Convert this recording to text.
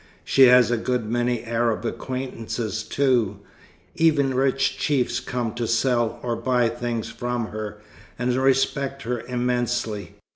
She has a good many Arab acquaintances, too. Even rich chiefs come to sell, or buy things from her, and respect her immensely.